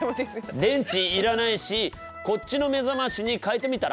電池いらないしこっちの目覚ましに替えてみたら？